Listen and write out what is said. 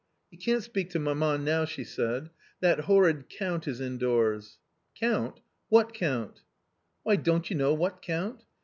.<£You can't speak to mamma now," she said; "that horrid \y^ /Count is indoors." ^ ^CountJ whajr> in t? "" Why, don't you know what Count